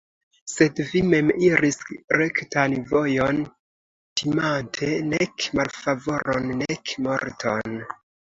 Sed vi mem iris rektan vojon, timante nek malfavoron, nek morton.